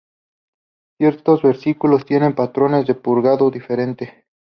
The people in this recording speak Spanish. Ciertos vehículos tienen patrones de purgado diferente.